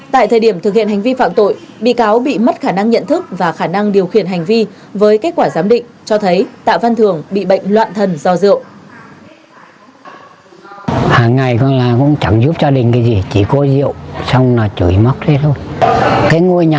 tại thời điểm thực hiện hành vi phạm tội bị cáo bị mất khả năng nhận thức và khả năng điều khiển hành vi với kết quả giám định cho thấy tạ văn thường bị bệnh loạn thần do rượu